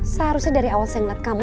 seharusnya dari awal saya melihat kamu